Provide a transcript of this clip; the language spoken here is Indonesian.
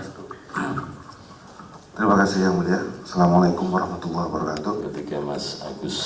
nanti terima kasih yang mulia assalamualaikum warahmatullah wabarakatuh ketika mas agus